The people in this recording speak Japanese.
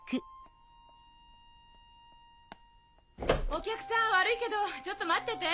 お客さん悪いけどちょっと待ってて。